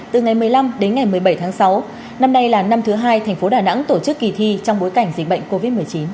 từ ngày một mươi năm đến ngày một mươi bảy tháng sáu năm nay là năm thứ hai thành phố đà nẵng tổ chức kỳ thi trong bối cảnh dịch bệnh covid một mươi chín